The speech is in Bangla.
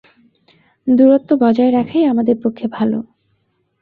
দূরত্ব বজায় রাখাই আমাদের পক্ষে ভালো।